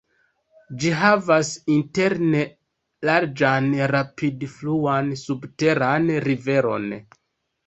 Ĝi havas interne larĝan rapid-fluan subteran riveron.